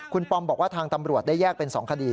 คุณปอมบอกว่าทางตำรวจได้แยกเป็น๒คดี